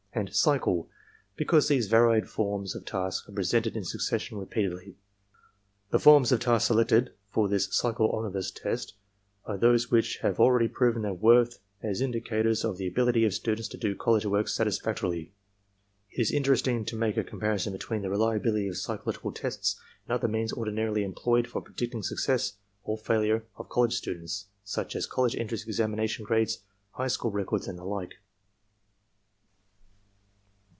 and 'cycle,' be cause these varied forms of task are presented in succession re peatedly. The forms of task selected for this cycle omnibus test are those which have already proven their worth as in dicators of the ability of students to do college work satis factorily. " It is interesting to make a comparison between the reliability of psychological tests and other means ordinarily employed for predicting success or failure of college students, such as college entrance examination grades, high school records and the like.